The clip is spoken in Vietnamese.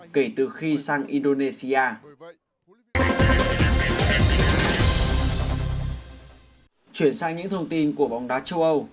chuyển sang những thông tin của bóng đá châu âu